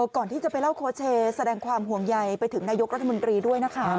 ก่อนที่จะไปเล่าโคเชแสดงความห่วงใยไปถึงนายกรัฐมนตรีด้วยนะคะ